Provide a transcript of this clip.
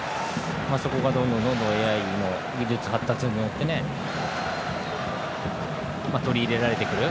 そこがどんどんＡＩ技術の発達によって取り入れられてくる。